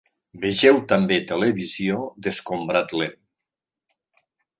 Vegeu també Televisió d'escombrat lent.